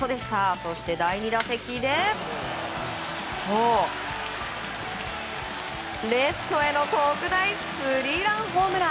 そして第２打席で、レフトへの特大スリーランホームラン。